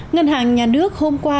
ngân hàng nhà nước hôm qua